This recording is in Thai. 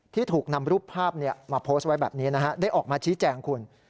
ที่ถูกนำรูปภาพมาโพสต์ไว้แบบนี้นะฮะได้ออกมาชี้แจงคุณ